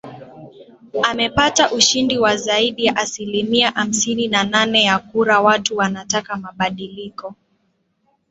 amepata ushindi wa zaidi ya asilimia hamsini na nane ya kuraWatu wanataka mabadiliko